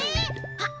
あっ